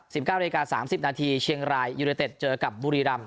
๑๙นาที๓๐นาทีเชียงรายยูเรเต็ดเจอกับบุรีรัมย์